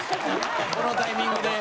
このタイミングで。